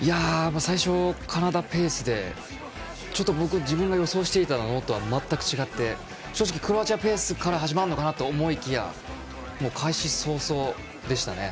最初、カナダペースでちょっと、僕予想していたものと全く違って正直、クロアチアペースから始まるのかなと思いきや開始早々でしたね。